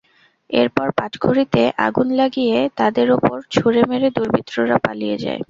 এরপর পাটখড়িতে আগুন লাগিয়ে তাঁদের ওপর ছুড়ে মেরে দুর্বৃত্তরা পালিয়ে যায়।